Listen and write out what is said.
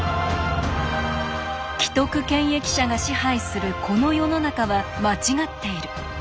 既得権益者が支配するこの世の中は間違っている。